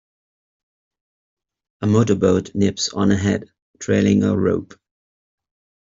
A motor-boat nips on ahead, trailing a rope.